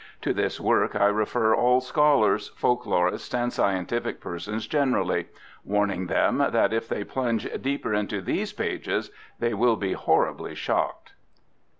To this work I refer all scholars, folk lorists and scientific persons generally: warning them that if they plunge deeper into these pages, they will be horribly shocked.